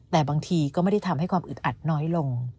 แต่บางทีก็ไม่ได้ทำให้ความอึดอัดน้อยลง